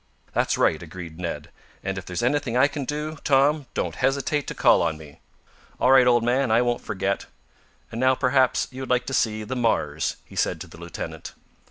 "That's right!" agreed Ned. "And, if there's anything I can do, Tom, don't hesitate to call on me." "All right, old man. I won't forget. And now, perhaps, you would like to see the Mars," he said to the lieutenant.